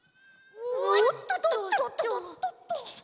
おっとっと。